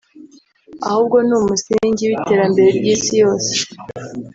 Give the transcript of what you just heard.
ahubwo ni n’umusingi w’ iterambere ry’Isi yose